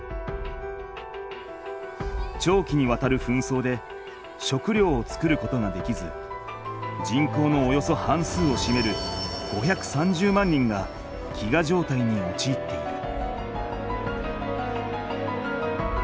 長期にわたる紛争で食料を作ることができず人口のおよそ半数をしめる５３０万人が飢餓状態におちいっている。